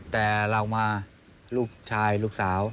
แต่เรามาลูกชายลูกสาว